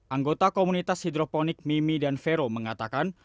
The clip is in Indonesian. anggota komunitas hidroponik mimi dan vero mengatakan